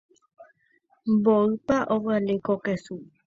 Mboýpa ovale ko kesu.